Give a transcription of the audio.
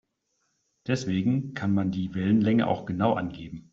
Deswegen kann man die Wellenlänge auch genau angeben.